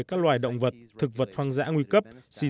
các loài động vật thực vật hoang dã nguy cấp